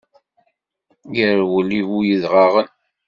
Irwel i bu yedɣaɣen.